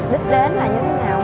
đích đến là như thế nào